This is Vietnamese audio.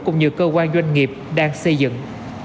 cùng như cơ quan doanh nghiệp đang xây dựng